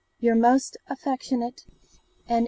Your most affectionate, N.